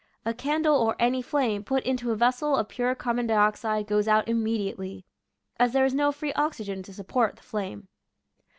A candle or any flame put into a vessel of pure carbon dioxide goes out immedi ately, as there is no free oxygen to support the flame.